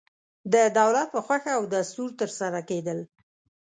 د دولت په خوښه او دستور ترسره کېدل.